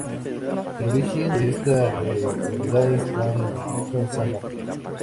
El origen de esta rivalidad está en la Causa No.